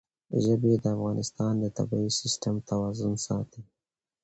ژبې د افغانستان د طبعي سیسټم توازن ساتي.